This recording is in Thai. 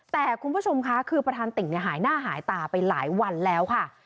แต่คุณผู้ชมค่ะคือประธานติ่งหายหน้าหายตาไปหลายวันแล้วค่ะ